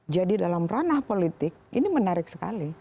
jadi dalam ranah politik ini menarik sekali